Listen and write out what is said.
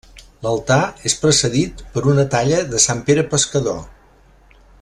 L'altar és precedit per una talla de Sant Pere Pescador.